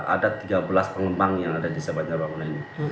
ada tiga belas pengembang yang ada di sebajar bangunan ini